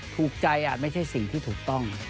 ถูกใจอาจไม่ใช่สิ่งที่ถูกต้อง